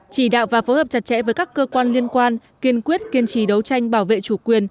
chỉ đạo và phối hợp chặt chẽ với các cơ quan liên quan kiên quyết kiên trì đấu tranh bảo vệ chủ quyền